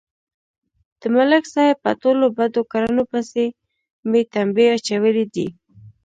د ملک صاحب په ټولو بدو کړنو پسې مې تمبې اچولې دي